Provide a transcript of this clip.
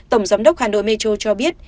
tổng giám đốc hà nội metro cho biết